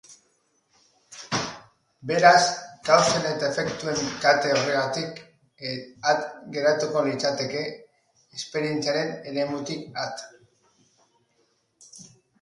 Beraz, kausen eta efektuen kate horretatik at geratuko litzateke, esperientziaren eremutik at.